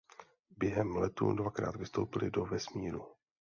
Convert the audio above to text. Během letu dvakrát vystoupili do vesmíru.